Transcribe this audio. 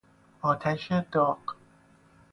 آتش داغ